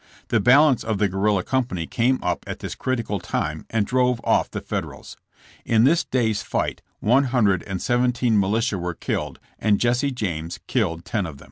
The balance of the guerrilla company came up at this critical time and drove off the Federals. In this day's fight one hundred and seventeen militia were killed and Jesse James killed ten of them.